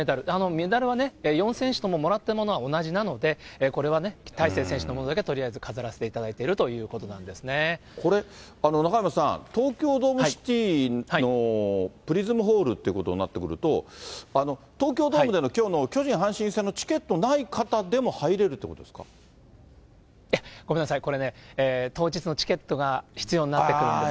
メダルは４選手とも、もらってるものは同じなので、これは大勢選手のものだけとりあえず飾らせていただいているというここれ、中山さん、東京ドームシティのプリズムホールということになってくると、東京ドームでやるきょうの巨人・阪神戦のチケットない方でも入れごめんなさい、これね、当日のチケットが必要になってくるんです。